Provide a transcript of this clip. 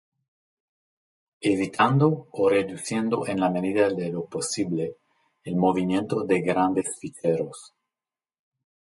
Evitando, o reduciendo en la medida de lo posible el movimiento de grandes ficheros.